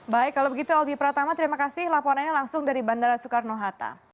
baik kalau begitu albi pratama terima kasih laporannya langsung dari bandara soekarno hatta